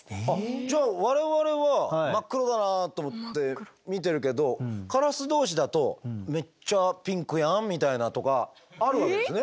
じゃあ我々は真っ黒だなあと思って見てるけどカラスどうしだと「めっちゃピンクやん？」みたいなとかあるわけですね？